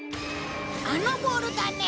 あのボールだね。